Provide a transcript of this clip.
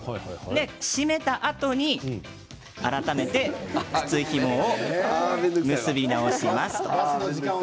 絞めたあとに靴ひもを結び直します。